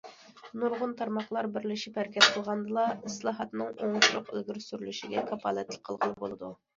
نۇرغۇن تارماقلار بىرلىشىپ ھەرىكەت قىلغاندىلا، ئىسلاھاتنىڭ ئوڭۇشلۇق ئىلگىرى سۈرۈلۈشىگە كاپالەتلىك قىلغىلى بولىدۇ.